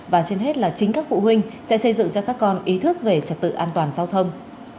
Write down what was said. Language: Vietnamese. và trên hết là chính các phụ huynh sẽ xây dựng cho các con ý thức về trật tự an toàn giao thông